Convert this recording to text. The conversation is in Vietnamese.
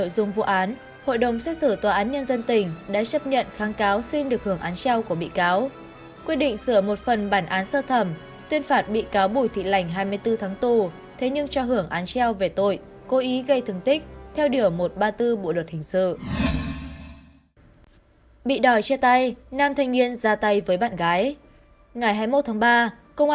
đơn vị đang điều tra làm rõ vụ cố ý gây thương tích xảy ra trên địa bàn